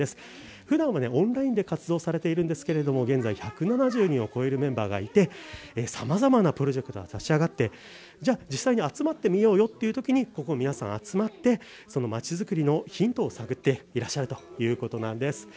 ふだんはオンラインで活動されているんですが現在１７０人を超えるメンバーがいてさまざまなプロジェクトが立ち上がって実際に集まってみようというときにここに皆さん集まってまちづくりのヒントを探っていらっしゃるということなんです。